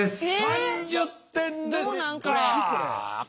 ３０点ですか！